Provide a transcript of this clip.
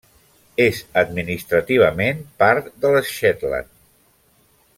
És administrativament part de les Shetland.